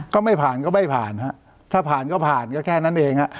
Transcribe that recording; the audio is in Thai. ก็ไม่ผ่านก็ไม่ผ่านฮะถ้าผ่านก็ผ่านก็แค่นั้นเองฮะ